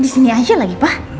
di sini aja lagi pak